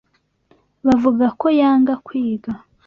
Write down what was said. Bavuga ko yanga kwiga.